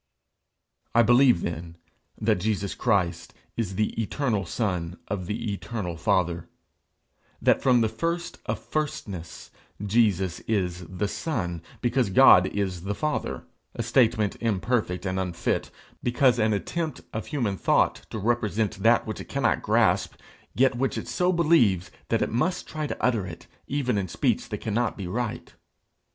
I believe, then, that Jesus Christ is the eternal son of the eternal father; that from the first of firstness Jesus is the son, because God is the father a statement imperfect and unfit because an attempt of human thought to represent that which it cannot grasp, yet which it so believes that it must try to utter it even in speech that cannot be right.